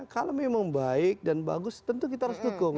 kalau memang baik dan bagus tentu kita harus dukung